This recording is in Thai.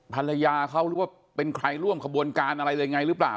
ภรรยาเขาเป็นใครร่วมขบวนการอะไรละง่ายล่ะหรือเปล่า